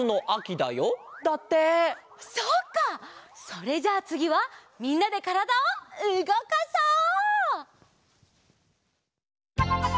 それじゃあつぎはみんなでからだをうごかそう！